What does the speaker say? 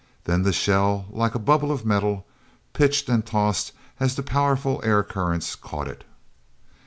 Then the shell, like a bubble of metal, pitched and tossed as the powerful air currents caught it.